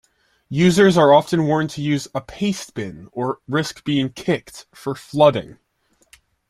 Users are often warned to use a "pastebin" or risk being "kicked" for "flooding".